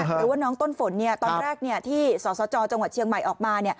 หรือว่าน้องต้นฝนตอนแรกที่สสจจังหวัดเชียงใหม่ออกมา